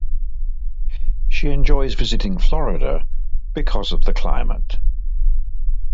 She enjoys visiting Florida, because of the climate.